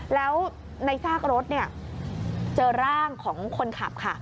แล้วในซากรถเจอร่างของคนขับค่ะ